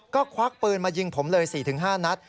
ก็ควักปืนมายิงผมเลย๔๕นัด